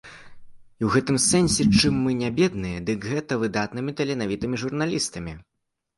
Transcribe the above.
І ў гэтым сэнсе чым мы не бедныя, дык гэта выдатнымі таленавітымі журналістамі.